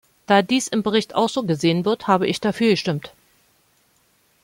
Da dies im Bericht auch so gesehen wird, habe ich dafür gestimmt.